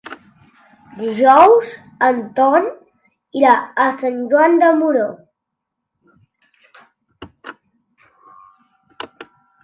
Dijous en Ton irà a Sant Joan de Moró.